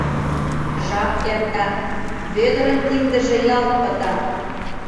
Жап эрта, Вӧдырын киндыже ялт пыта.